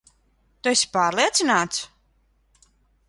Tu esi pārliecināts?